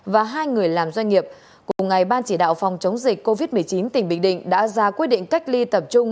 và hai người làm doanh nghiệp cùng ngày ban chỉ đạo phòng chống dịch covid một mươi chín tỉnh bình định đã ra quyết định cách ly tập trung